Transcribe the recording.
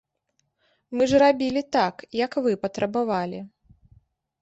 Мы ж рабілі так, як вы патрабавалі!